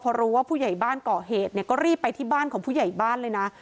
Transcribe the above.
พอรู้ว่าผู้ใหญ่บ้านก่อเหตุเนี่ยก็รีบไปที่บ้านของผู้ใหญ่บ้านเลยนะ